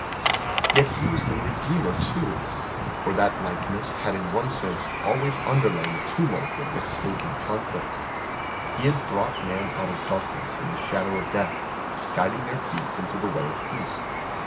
Yet He was the Redeemer too, for that likeness had in one sense always underlain the tumult of mistake and conflict. He had brought man out of darkness and the shadow of death, guiding their feet into the way of peace.